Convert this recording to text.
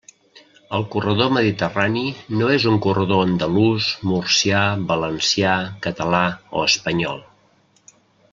El corredor mediterrani no és un corredor andalús, murcià, valencià, català o espanyol.